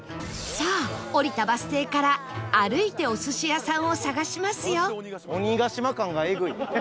さあ降りたバス停から歩いてお寿司屋さんを探しますよ